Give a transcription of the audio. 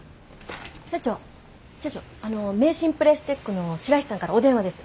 社長社長あの名神プレステックの白石さんからお電話です。